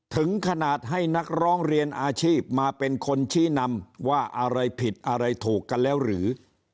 ถึงขนาดให้นักร้องเรียนอาชีพมาเป็นคนชี้นำว่าอะไรผิดอะไรถูกกันแล้วหรือ